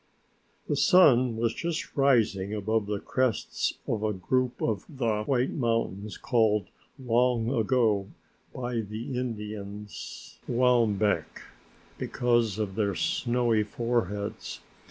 The sun was just rising above the crests of a group of the White Mountains called long ago by the indians "Waumbek" because of their snowy foreheads.